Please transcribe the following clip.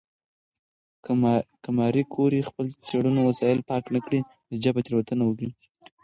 که ماري کوري خپل څېړنیز وسایل پاک نه کړي، نتیجه به تېروتنه وي.